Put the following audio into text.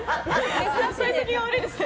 幸先が悪いですね。